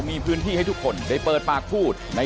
ไม่ติดใจ